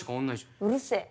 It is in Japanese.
うるせえ。